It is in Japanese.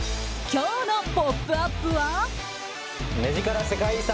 今日の「ポップＵＰ！」は。